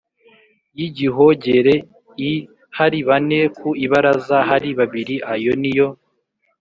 y igihogere l hari bane ku ibaraza hari babiri Ayo ni yo